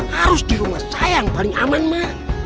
harus di rumah saya yang paling aman mah